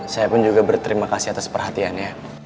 saya pun juga berterima kasih atas perhatiannya